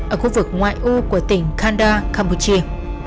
ở khu vực ngoại u của tỉnh kanda campuchia